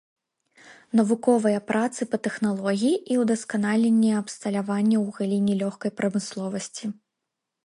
Навуковыя працы па тэхналогіі і ўдасканаленні абсталявання ў галіне лёгкай прамысловасці.